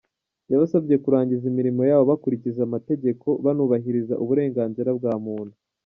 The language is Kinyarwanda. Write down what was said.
Yabasabye kurangiza imirimo yabo bakurikiza amategeko banubahiriza uburenganzira bwa muntu.